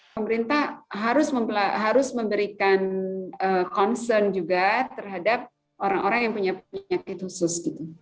pemerintah harus memberikan concern juga terhadap orang orang yang punya penyakit khusus